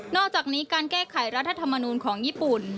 อกจากนี้การแก้ไขรัฐธรรมนูลของญี่ปุ่น